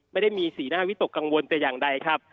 ไม่สีหน้าวิตกกังวลใจอย่างใดครับ